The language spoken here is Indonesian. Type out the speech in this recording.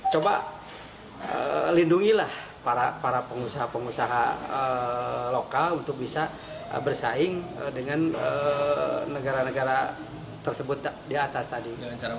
coba lindungilah para pengusaha pengusaha lokal untuk bisa bersaing dengan negara negara tersebut di atas tadi